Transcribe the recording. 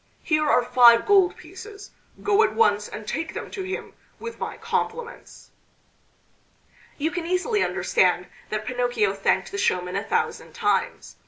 Here are five gold pieces. Go at once and take them to him with my compliments." You can easily understand that Pinocchio thanked the showman a thousand times.